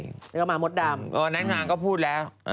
แล้วก็มามดดำอ๋อน้ำนั่งก็พูดแล้ว